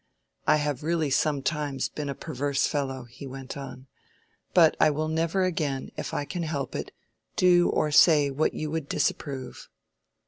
"I have really sometimes been a perverse fellow," he went on, "but I will never again, if I can help it, do or say what you would disapprove."